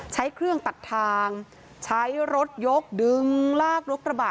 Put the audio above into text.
ใช้เครื่องตัดทางใช้รถยกดึงลากรถกระบะ